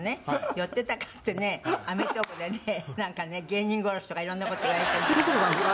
寄ってたかってね『アメトーーク』でねなんかね芸人殺しとかいろんな事言われて。